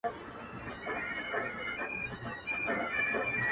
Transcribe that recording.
د شاعرۍ ياري كړم؛